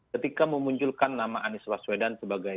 ketika memunculkan nama anies baswedan sebagai